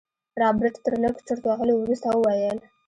رابرټ تر لږ چورت وهلو وروسته وويل.